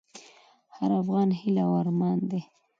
د هر افغان هیله او ارمان دی؛